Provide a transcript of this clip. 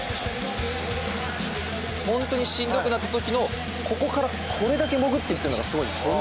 本当にしんどくなった時にここからこれだけ潜っていっているのがすごいです。